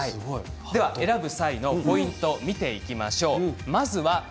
選ぶ際のポイントを見ていきましょう。